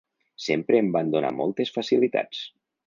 Sempre em van donar moltes facilitats.